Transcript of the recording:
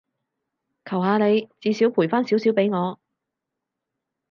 求下你，至少賠返少少畀我